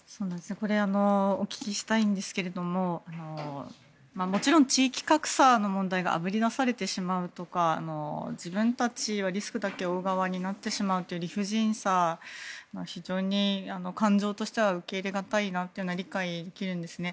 これお聞きしたいんですがもちろん、地域格差の問題があぶり出されてしまうとか自分たちはリスクだけ負う側になってしまうという理不尽さも非常に感情としては受け入れ難いなというのは理解できるんですね。